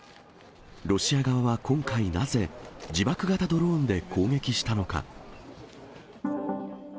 ロシア側は、今回なぜ、自爆型ドローンで攻撃したのか。